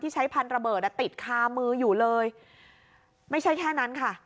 ใช้พันธเบิดอ่ะติดคามืออยู่เลยไม่ใช่แค่นั้นค่ะ